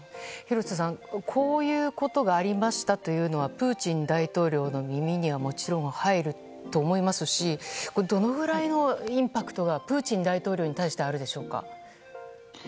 廣瀬さん、こういうことがありましたというのはプーチン大統領の耳にはもちろん入ると思いますしどのくらいのインパクトがプーチン大統領に対してあるでしょうか。